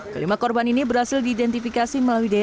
kelima korban ini berhasil diidentifikasi melalui